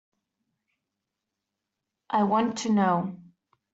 I want to know.